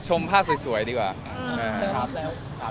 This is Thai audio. ชมภาพสวยดีกว่า